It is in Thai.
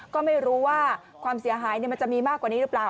ก็ไม่รู้ว่าความเสียหายมันจะมีมากกว่านี้หรือเปล่า